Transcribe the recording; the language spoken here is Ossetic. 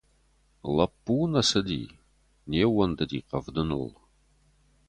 Лӕппу нӕ цыди, не ’ууӕндыди Хъӕвдыныл.